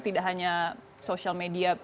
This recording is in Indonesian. tidak hanya social media